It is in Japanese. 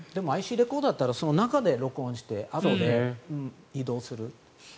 ＩＣレコーダーがあったら、その中で録音してあとで移動する。